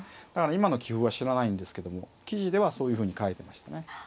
今の棋風は知らないんですけども記事ではそういうふうに書いてましたね。